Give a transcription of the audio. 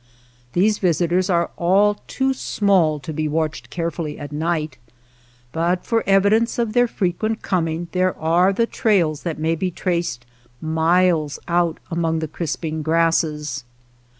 These visitors are all too small to be watched carefully at night, but for evidence of their frequent coming there are the trails that may be traced miles out among the crisp ing grasses.